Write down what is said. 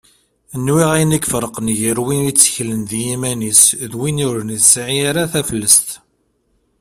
Nwiɣ ayen i iferqen gar win itteklen deg yiman-is d win ur yesɛin ara taflest.